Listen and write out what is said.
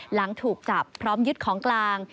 หลังถูกจับพร้อมยึดของกลาง